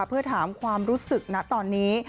เพื่อถามความรู้สึกนะตอนนี้